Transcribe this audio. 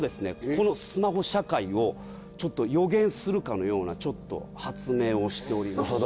このスマホ社会を予言するかのようなちょっと発明をしておりまして。